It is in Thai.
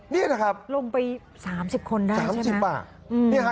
นี่นะครับลงไป๓๐คนได้ใช่ไหมครับ๓๐ป่ะ